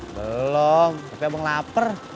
belom tapi abang lapar